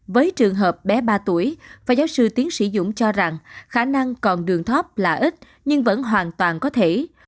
với trường hợp bé ba tuổi phó giáo sư tiến sĩ dũng cho rằng khả năng còn đường thấp là ít nhưng vẫn hoàn toàn có thể